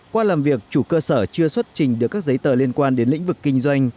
qua làm việc chủ cơ sở chưa xuất trình được các giấy tờ liên quan đến lĩnh vực kinh doanh